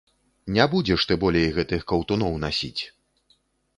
Не будзеш ты болей гэтых каўтуноў насіць!